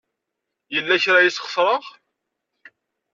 Yella kra ay sxeṣreɣ.